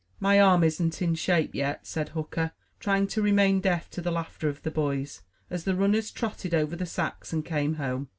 "My arm isn't in shape yet," said Hooker, trying to remain deaf to the laughter of the boys, as the runners trotted over the sacks and came home.